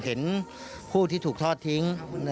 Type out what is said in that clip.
เห็นผู้ที่ถูกทอดทิ้ง